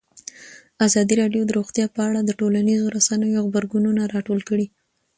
ازادي راډیو د روغتیا په اړه د ټولنیزو رسنیو غبرګونونه راټول کړي.